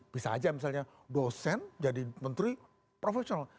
bisa aja misalnya dosen jadi menteri profesional